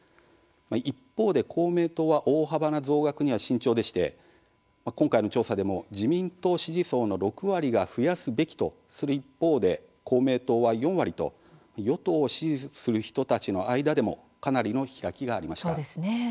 一方で公明党は大幅な増額には慎重でして今回の調査でも自民党支持層の６割が「増やすべき」とする一方で公明党は４割と与党を支持する人たちの間でもかなりの開きがありました。